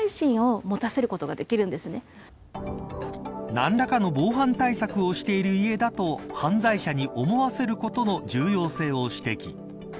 何らかの防犯対策をしている家だと犯罪者に思わせることの重要性を指摘。